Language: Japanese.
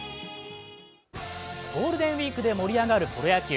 ゴールデンウイークで盛り上がるプロ野球。